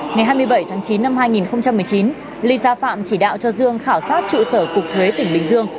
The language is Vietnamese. ngày hai mươi bảy tháng chín năm hai nghìn một mươi chín ly gia phạm chỉ đạo cho dương khảo sát trụ sở cục thuế tỉnh bình dương